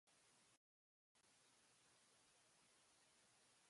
今日はカレーが食べたいな。